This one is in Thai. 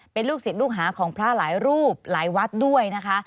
เป็นลูกศิษย์ลูกหาของพระหลายรูปหลายวัดด้วยนะคะ